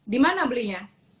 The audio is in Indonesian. di mana belinya